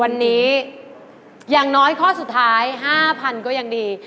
วันนี้อย่างน้อยข้อสุดท้าย๕๐๐ก็ยังดี